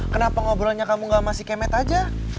kenapa ngobrolnya kamu gak masih kemet aja